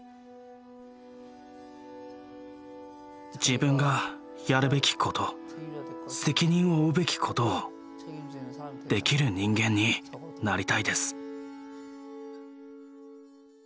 自分がやるべきこと責任を負うべきことをできる人間になりたいです。